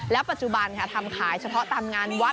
ปัจจุบันทำขายเฉพาะตามงานวัด